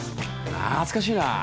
懐かしいなあ。